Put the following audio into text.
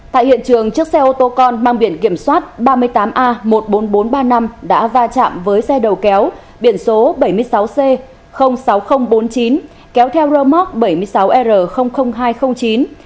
tại hiện trường chiếc xe ô tô con mang biển kiểm soát ba mươi tám a một mươi bốn nghìn bốn trăm ba mươi năm đã va chạm với xe đầu kéo biển số bảy mươi sáu c sáu nghìn bốn mươi chín kéo theo rơ móc bảy mươi sáu r hai trăm linh chín